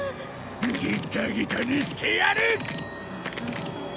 ギッタギタにしてやる！